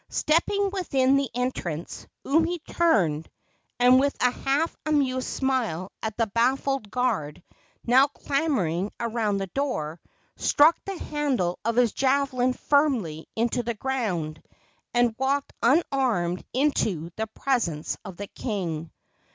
Stepping within the entrance, Umi turned, and, with a half amused smile at the baffled guard now clamoring around the door, struck the handle of his javelin firmly into the ground, and walked unarmed into the presence of the king.